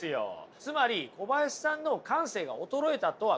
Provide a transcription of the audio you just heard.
つまり小林さんの感性が衰えたとはこれ言えません！